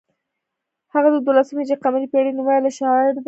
هغه د دولسم هجري قمري پیړۍ نومیالی شاعر دی.